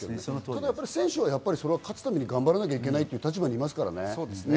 ただ選手は勝つために頑張らなきゃいけないという立場にいますからね。